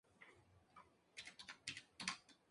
La canción del sencillo tiene dos versiones.